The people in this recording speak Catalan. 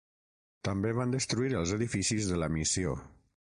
També van destruir els edificis de la missió.